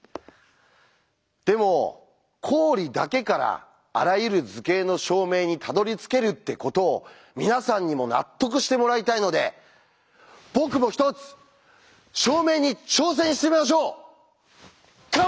でも公理だけからあらゆる図形の証明にたどりつけるってことを皆さんにも納得してもらいたいので僕も１つ証明に挑戦してみましょうカモン！